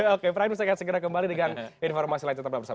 oke prayu saya akan segera kembali dengan informasi lain tetap bersama sama